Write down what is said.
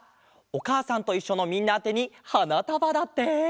「おかあさんといっしょ」のみんなあてにはなたばだって！